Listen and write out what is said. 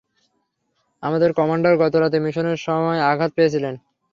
আমাদের কমান্ডার গত রাতে মিশনের সময় আঘাত পেয়েছিলেন।